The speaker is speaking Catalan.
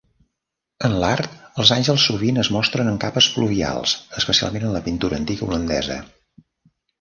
En l'art, els àngels sovint es mostren amb capes pluvials, especialment en la pintura antiga holandesa.